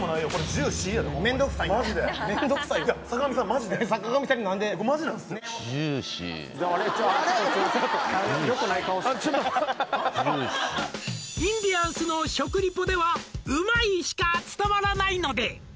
ジューシー「インディアンスの食リポではうまい！しか伝わらないので」